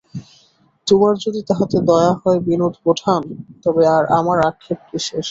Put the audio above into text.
তোমার যদি তাহাতে দয়া হয় বিনোদ-বোঠান, তবে আর আমার আক্ষেপ কিসের।